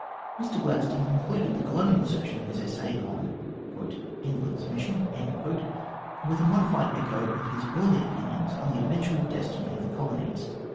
Mr Gladstone concluded the colonial section of his essay on "England's Mission" with a modified echo of his early opinions on the eventual destiny of the colonies.